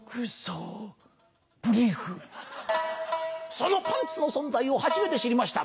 そのパンツの存在を初めて知りました